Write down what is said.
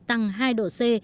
tăng hai độ c